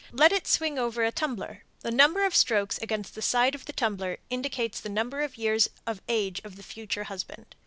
Let it swing over a tumbler. The number of strokes against the side of the tumbler indicates the number of years of age of the future husband.